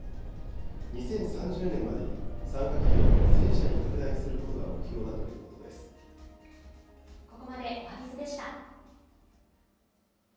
２０３０年までに参加企業を１０００社に拡大することが目標だとここまで、おはＢｉｚでした。